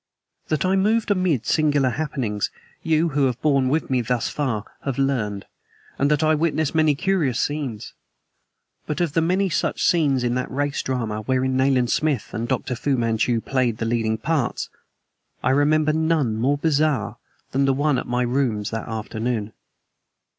That I moved amid singular happenings, you, who have borne with me thus far, have learned, and that I witnessed many curious scenes; but of the many such scenes in that race drama wherein Nayland Smith and Dr. Fu Manchu played the leading parts, I remember none more bizarre than the one at my rooms that afternoon.